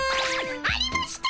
ありました！